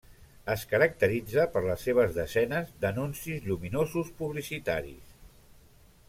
Es caracteritza per les seves desenes d'anuncis lluminosos publicitaris.